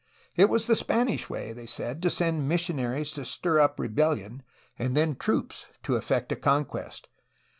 It was the Spanish way, they said, to send missionaries to stir up rebel lion and then troops to effect a conquest.